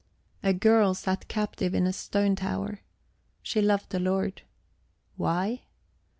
A girl sat captive in a stone tower. She loved a lord. Why?